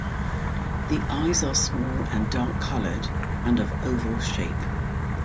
The eyes are small and dark colored and of oval shape.